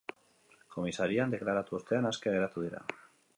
Komisarian deklaratu ostean aske geratu dira.